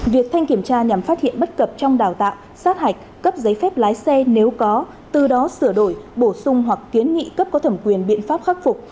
việc thanh kiểm tra nhằm phát hiện bất cập trong đào tạo sát hạch cấp giấy phép lái xe nếu có từ đó sửa đổi bổ sung hoặc kiến nghị cấp có thẩm quyền biện pháp khắc phục